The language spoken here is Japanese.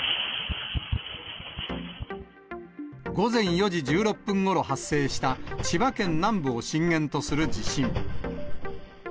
午前４時１６分ごろ発生した千葉県南部を震源とする地震。